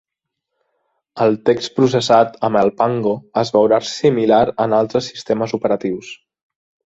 El text processat amb el Pango es veurà similar en altres sistemes operatius.